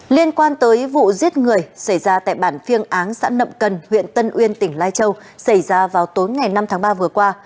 liên quan tới vụ giết người xảy ra tại bản phiêng áng xã nậm cần huyện tân uyên tỉnh lai châu xảy ra vào tối ngày năm tháng ba vừa qua